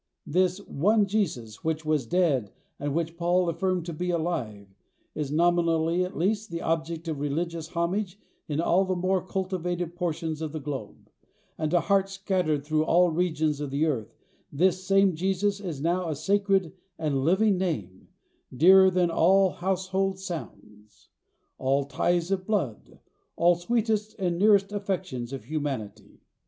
This "one Jesus which was dead, and whom Paul affirmed to be alive," is nominally, at least, the object of religious homage in all the more cultivated portions of the globe; and to hearts scattered through all regions of the earth this same Jesus is now a sacred and living name, dearer than all household sounds, all ties of blood, all sweetest and nearest affections of humanity.